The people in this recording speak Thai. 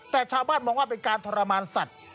แต่ชาวบ้านมองว่าเป็นการทรมานสัตว์